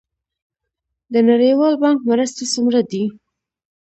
د نړیوال بانک مرستې څومره دي؟